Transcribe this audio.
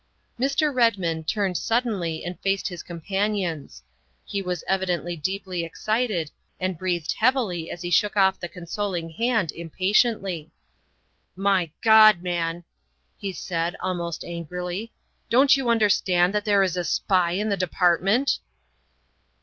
Mr. Redmond turned suddenly and faced his com panions. He was evidently deeply excited and breathed heavily as he shook off the consoling hand impatiently. '' My God, man, '' he said almost angrily, '' don 't you understand that there is a spy in the Department